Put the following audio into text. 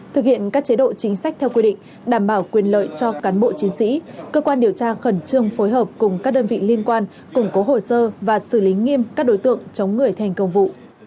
thực hiện các chế độ chính sách theo quy định đảm bảo quyền lợi cho cán bộ chiến sĩ cơ quan điều tra khẩn trương phối hợp cùng các đơn vị liên quan củng cố hồ sơ và xử lý nghiêm các đối tượng chống người thành công vụ